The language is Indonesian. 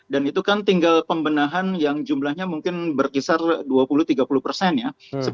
dan itu kan tinggal pembenahan yang jumlahnya mungkin berkisar dua puluh tiga puluh persen ya